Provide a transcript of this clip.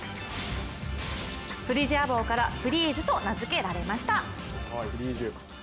フリジア帽からフリージュと名付けられました。